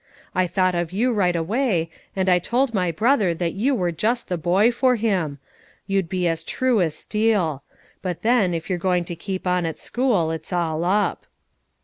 I thought of you right away, and I told my brother that you were just the boy for him, you'd be as true as steel; but then, if you're going to keep on at school, it's all up."